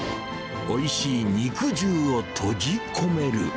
おいしい肉汁を閉じ込める。